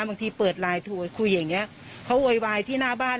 บางทีเปิดไลน์โทรคุยอย่างนี้เขาโวยวายที่หน้าบ้าน